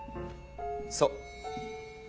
そう。